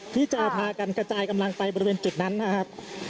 ที่จะพากันกระจายกำลังไปบริเวณจุดนั้นนะครับ